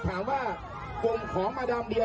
กลุ่มศิลปินมาดามเดีย